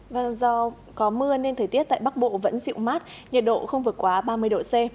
vâng do có mưa nên thời tiết tại bắc bộ vẫn dịu mát nhiệt độ không vượt quá ba mươi độ c